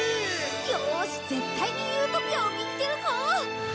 よし絶対にユートピアを見つけるぞ！